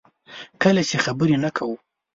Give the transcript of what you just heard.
کله چې خبرې نه کوو.